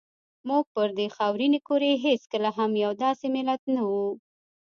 موږ پر دې خاورینې کرې هېڅکله هم یو داسې ملت نه وو.